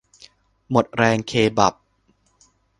หมดแรงเคบับ